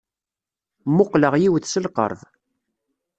Mmuqqleɣ yiwet s lqerb.